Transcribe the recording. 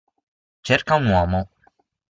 Cerca un uomo.